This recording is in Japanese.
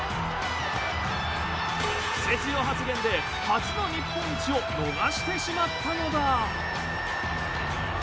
クセ強発言で初の日本一を逃してしまったのだ。